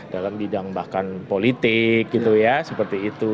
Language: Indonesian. dalam bidang bahkan politik gitu ya seperti itu